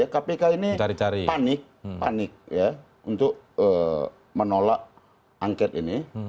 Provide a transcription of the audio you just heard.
kpk ini panik panik untuk menolak angket ini